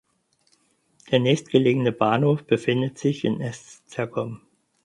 Der nächstgelegene Bahnhof befindet sich in Esztergom.